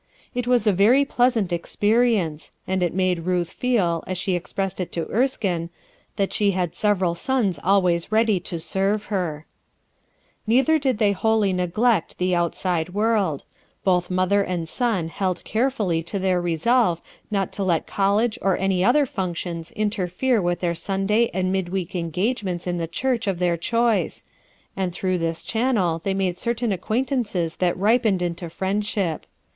It was a very pleasant experience, and it made Ruth feel, as she ex pressed it to Erskine, that she had several sons always ready to serve her, 7 2 RUTH ERSKINE'S SOX Neither did they wholly neglect the outsid world, Both mother and eon held carefully to their resolve not to let college or any other functions interfere with their Sunday and mid, week engagements in the church of their choice and through this channel they made certain* acquaintances that ripened into friendship.